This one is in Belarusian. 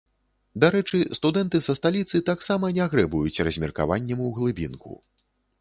Дарэчы, студэнты са сталіцы таксама не грэбуюць размеркаваннем у глыбінку.